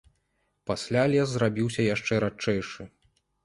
Пасля лес зрабіўся яшчэ радчэйшы.